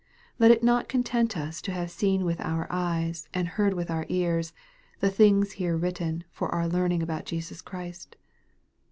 Let it not con tent us to have seen with our eyes, and heard with our cars, the things here written for our learning about Jesus Christ.